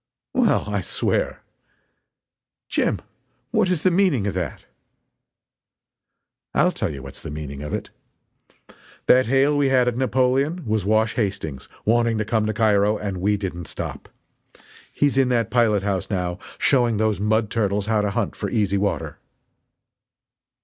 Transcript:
"Well, I swear!" "Jim, what is the meaning of that?" "I'll tell you what's the meaning of it. That hail we had at Napoleon was Wash Hastings, wanting to come to Cairo and we didn't stop. He's in that pilot house, now, showing those mud turtles how to hunt for easy water."